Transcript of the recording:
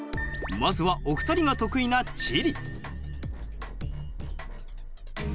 まずはお二人が得意な地理。